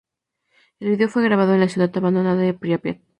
El vídeo fue grabado en la ciudad abandonada de Prípiat.